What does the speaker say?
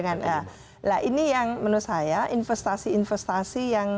nah ini yang menurut saya investasi investasi yang